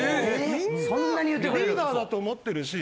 みんなリーダーだと思ってるし。